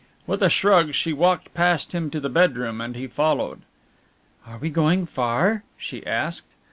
With a shrug she walked past him to the bedroom and he followed. "Are we going far?" she asked.